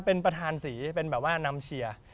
เป็นประธานสีเป็นแบบว่านำเชียร์